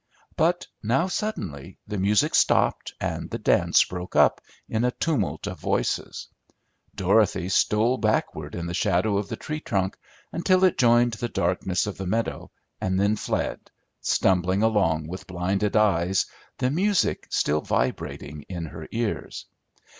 But now suddenly the music stopped and the dance broke up in a tumult of voices. Dorothy stole backward in the shadow of the tree trunk, until it joined the darkness of the meadow, and then fled, stumbling along with blinded eyes, the music still vibrating in her ears.